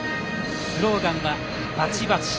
スローガンはバチバチ。